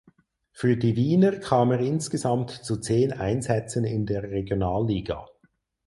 Für die Wiener kam er insgesamt zu zehn Einsätzen in der Regionalliga.